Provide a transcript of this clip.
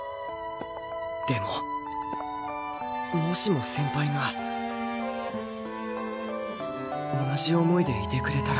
でももしも先輩が同じ思いでいてくれたら